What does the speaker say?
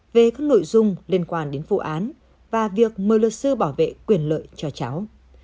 về các nội dung liên quan đến vụ án và việc mời luật sư bảo vệ quyền lợi cho cháu